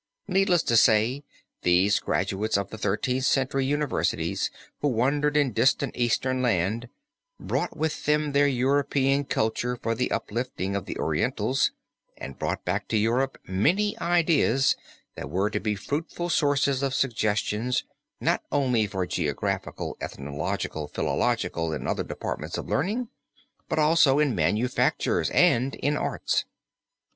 Needless to say these graduates of the Thirteenth Century universities who wandered in distant eastern lands, brought with them their European culture for the uplifting of the Orientals, and brought back to Europe many ideas that were to be fruitful sources of suggestions not only for geographical, ethnological, philological, and other departments of learning, but also in manufactures and in arts.